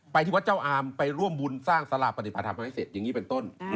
ที่วัดเจ้าอามไปร่วมบุญสร้างสาราปฏิบัติธรรมให้เสร็จอย่างนี้เป็นต้น